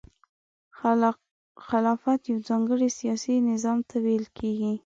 خلافت یو ځانګړي سیاسي نظام ته ویل کیږي.